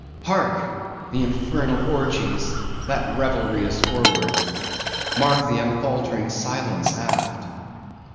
Hark! the infernal orgies! that revelry is forward! mark the unfaltering silence aft!